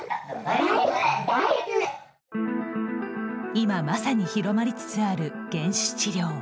今まさに広まりつつある減酒治療。